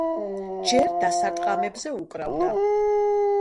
ჯერ დასარტყამებზე უკრავდა.